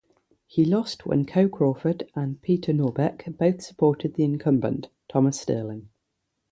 He lost when Coe Crawford and Peter Norbeck both supported the incumbent, Thomas Sterling.